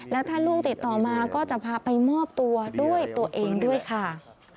แล้วถ้าลูกติดต่อมาก็จะพาไปมอบตัวด้วยตัวเองด้วยค่ะ